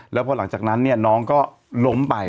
แล้วพอหลังจากนั้นน้องก็ล้มไป